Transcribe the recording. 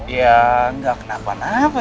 yaa gak kenapa napa